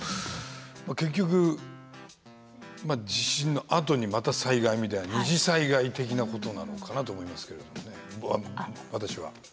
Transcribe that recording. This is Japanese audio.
結局地震のあとにまた災害みたいに二次災害的なことなのかなと思いますけれどもね私は。